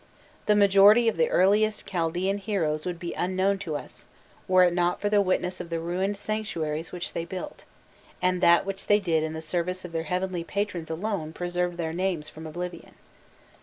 The majority of the earliest Chaldaean heroes would be unknown to us, were it not for the witness of the ruined sanctuaries which they built, and that which they did in the service of their heavenly patrons has alone preserved their names from oblivion.